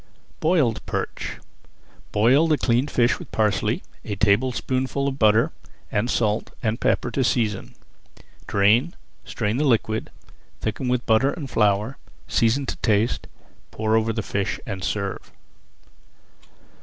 BOILED PERCH Boil the cleaned fish with parsley, a tablespoonful [Page 236] of butter, and salt and pepper to season. Drain, strain the liquid, thicken with butter and flour, season to taste, pour over the fish, and serve.